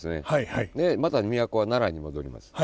また都は奈良に戻ります。